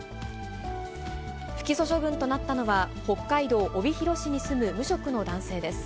不起訴処分となったのは、北海道帯広市に住む無職の男性です。